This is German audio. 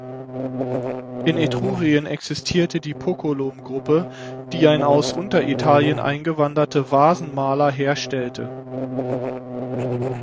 In Etrurien existierte die Pocolom-Gruppe, die ein aus Unteritalien eingewanderte Vasenmaler herstellte.